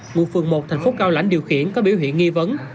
ngụ phường một thành phố cao lãnh điều khiển có biểu hiện nghi vấn